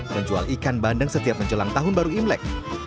menjual ikan bandeng setiap menjelang tahun baru imlek